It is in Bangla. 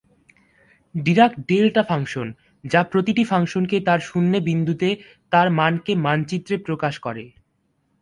ডিরাক ডেল্টা ফাংশন যা প্রতিটি ফাংশনকে তার শূন্যে বিন্দুতে তার মানকে মানচিত্রে প্রকাশ করে।